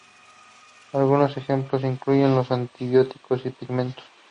Algunos ejemplos incluyen los antibióticos y pigmentos.